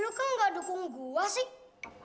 lu kan ga dukung gua sih